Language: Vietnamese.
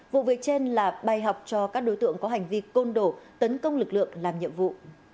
vụ việc trên là bài học cho các đối tượng có hành vi côn đổ tấn công lực lượng làm nhiệm vụ